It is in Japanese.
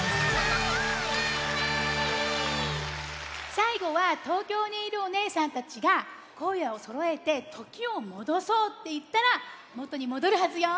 さいごは東京にいるおねえさんたちがこえをそろえて「ときをもどそう！」っていったらもとにもどるはずよ。